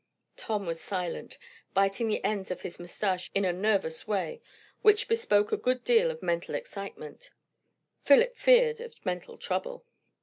Tom was silent, biting the ends of his moustache in a nervous way, which bespoke a good deal of mental excitement; Philip feared, of mental trouble.